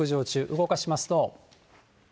動かしますと。